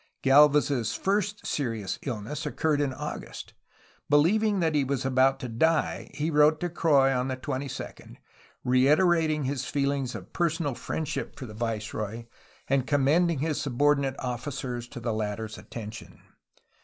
Galvez' s first serious illness occurred in August. Believing that he was about to die he wrote to Croix on the 22d, reiterating his feelings of personal friendship for the viceroy and commending his subordinate officers to the latter' s attention.